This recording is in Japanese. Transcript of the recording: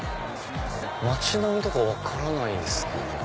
街並みとか分からないですね。